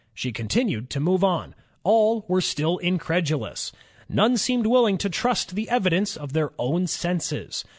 She continued to move on. All were still incredulous. None seemed willing to trust the evidence of their own senses.